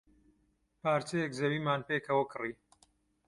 پارچەیەک زەویمان پێکەوە کڕی.